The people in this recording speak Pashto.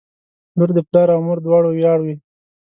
• لور د پلار او مور دواړو ویاړ وي.